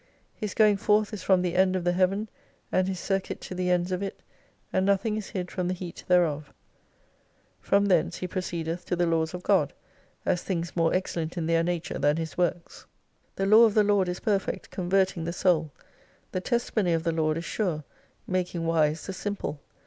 His going forth is from the end of the heaven and his circuit to the ends of it ; and nothing is hid from the heat thereof From thence he pro ceedeth to the laws of God, as things more excellent in their nature than His works. The Law of the Lord is perfect, converting the Soul ; the testimony of the Lord is sure, making wise the simple.